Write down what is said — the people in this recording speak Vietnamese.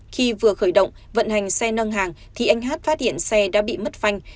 khi vừa khởi động vận hành xe nâng hàng thì anh hát phát hiện xe đã bị mất phanh